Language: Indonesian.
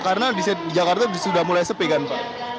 karena di jakarta sudah mulai sepi kan pak